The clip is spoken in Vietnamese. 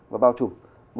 và bao trùm